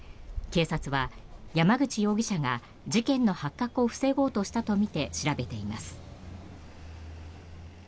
警察は山口容疑者が事件の発覚を防ごうとしたとみて調べています。